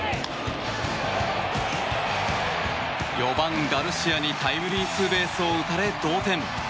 ４番ガルシアにタイムリーツーベースを打たれ同点。